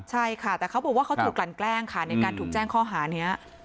ใช่ค่ะแต่เขาบอกว่าเขาถูกกลั่นแกล้งค่ะในการถูกแจ้งข้อหานี้